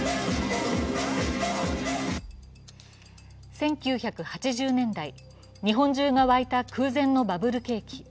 １９８０年代、日本中が沸いた空前のバブル景気。